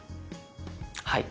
はい。